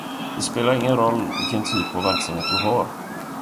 Det spelar ingen roll vilken typ av verksamhet du har.